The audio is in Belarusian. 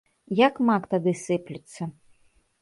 Як мак тады сыплюцца.